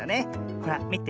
ほらみて。